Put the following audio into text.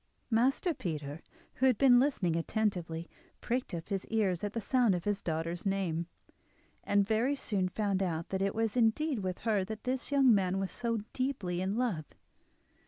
Master Peter, who had been listening attentively, pricked up his ears at the sound of his daughter's name, and very soon found out that it was indeed with her that this young man was so deeply in love.